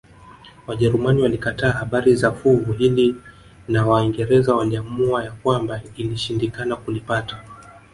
Wajerumani walikataa habari za fuvu hili na Waingereza waliamua ya kwamba ilishindikana kulipata